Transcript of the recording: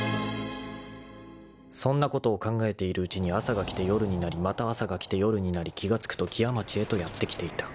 ［そんなことを考えているうちに朝が来て夜になりまた朝が来て夜になり気が付くと木屋町へとやって来ていた］